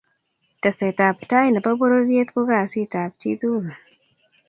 teset ab tai ne bo pororiet ko kasit ab chi tugul.